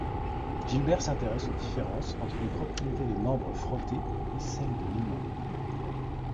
Gilbert s'intéresse aux différences entre les propriétés de l'ambre frotté et celles de l'aimant.